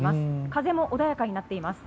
風も穏やかになっています。